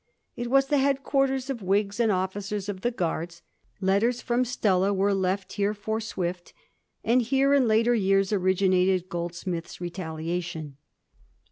It was the head quarters of Whigs and officers of the Guards ; letters fi:om Stella were left here for Swift, and here in later years originated Ooldsmith's ' Ketaliation.'